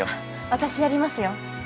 私やりますよ。